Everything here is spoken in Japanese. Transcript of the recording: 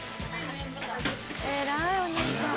偉いお姉ちゃん。